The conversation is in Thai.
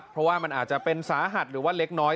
เพราะว่ามันอาจจะเป็นสาหัสหรือว่าเล็กน้อย